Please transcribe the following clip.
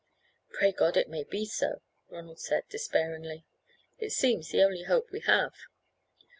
"Pray God it may be so," Ronald said, despairingly. "It seems the only hope we have.